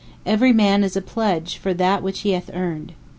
Every man is a pledge for that which he hath earned.